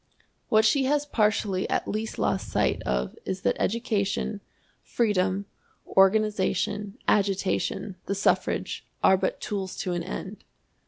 What she has partially at least lost sight of is that education, freedom, organization, agitation, the suffrage, are but tools to an end.